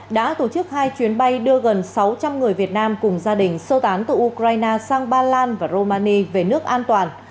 đã tổ chức hai chuyến bay đưa gần sáu trăm linh người việt nam cùng gia đình sơ tán từ ukraine sang ba lan và romani về nước an toàn